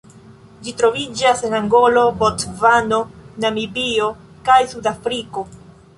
Ĝi troviĝas en Angolo, Bocvano, Namibio kaj Sudafriko.